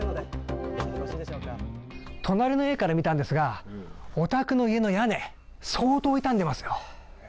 隣の家から見たんですが、お宅の家の屋根、相当傷んでいますよ。